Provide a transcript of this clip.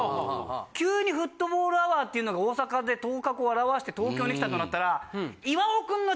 急にフットボールアワーっていうのが大阪で頭角を現して東京に来たとなったら。